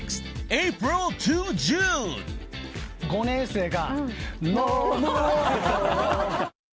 ５年生が。